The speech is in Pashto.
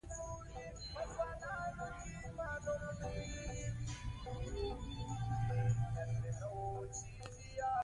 دی لا هم کار کوي.